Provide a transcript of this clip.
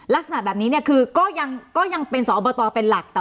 ลักษณะแบบนี้ก็ยังเป็นสอบบต่อเป็นหลัก